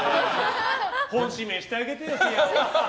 本指名してあげてよ、涙を。